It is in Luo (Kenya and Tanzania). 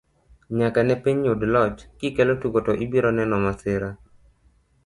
nyaka ne piny yud loch, kikelo tugo to ibiro neno masira